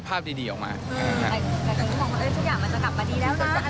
แต่ทุกอย่างมันจะกลับมาดีแล้วนะ